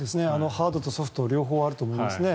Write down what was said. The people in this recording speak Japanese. ハードとソフトと両方あると思います。